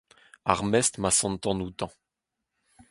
ar mestr ma sentan outañ